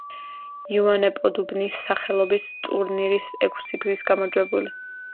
ივანე პოდუბნის სახელობის ტურნირის ექვსგზის გამარჯვებული.